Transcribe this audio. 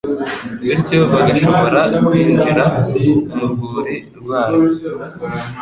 bityo bagashobora kwinjira mu rwuri rwayo.